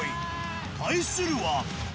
対するは。